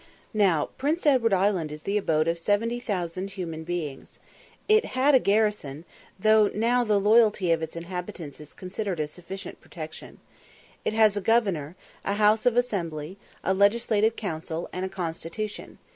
Now, Prince Edward Island is the abode of seventy thousand human beings. It _had a garrison, though now the loyalty of its inhabitants is considered a sufficient protection. It _has a Governor, a House of Assembly, a Legislative Council, and a Constitution.